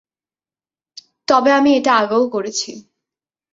তবে, আমি এটা আগেও করেছি।